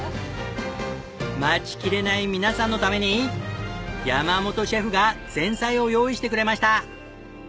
待ちきれない皆さんのために山本シェフが前菜を用意してくれました。